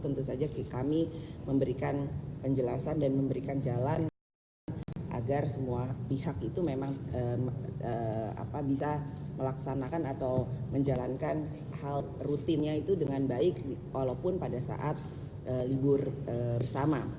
tentu saja kami memberikan penjelasan dan memberikan jalan agar semua pihak itu memang bisa melaksanakan atau menjalankan hal rutinnya itu dengan baik walaupun pada saat libur bersama